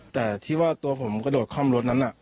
แต่ที่ว่าตัวผมกระโดดคล่อมรถนั้น